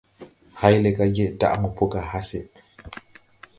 Hayle ga yeʼ daʼ mo po ga has.